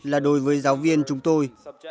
và đối với giáo viên chúng tôi